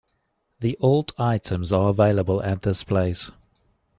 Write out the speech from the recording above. The old food items are available at this place.